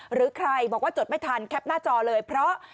หรือใครบอกว่าจดไม่ทันแคปหน้าจอเลยเพราะ